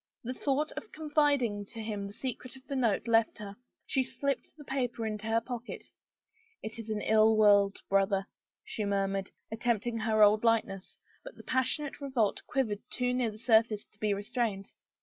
The thought of confiding to him the secret of the note left her. She slipped the paper into her pocket. ." It is an ill world, brother," she murmured, attempt ing her old lightness, but the passionate revolt quivered too near the surface to be restrained.